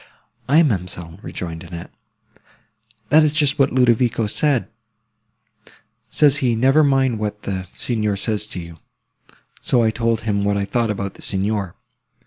"Aye, ma'amselle," rejoined Annette, "that is just what Ludovico said: says he, Never mind what the Signor says to you. So I told him what I thought about the Signor.